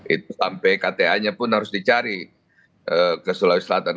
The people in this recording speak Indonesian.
itu sampai kta nya pun harus dicari ke sulawesi selatan